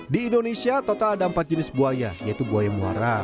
di indonesia total ada empat jenis buaya yaitu buaya muara